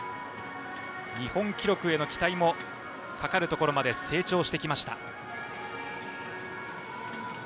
日本記録への期待もかかるところまで成長してきました。